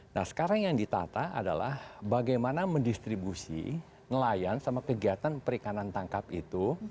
nah sekarang yang ditata adalah bagaimana mendistribusi nelayan sama kegiatan perikanan tangkap itu